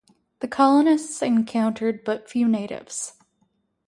The colonists encountered but few natives.